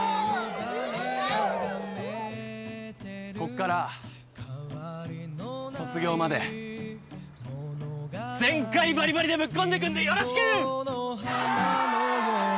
こっから卒業まで全開バリバリでぶっ込んでくんでよろしく！イェ！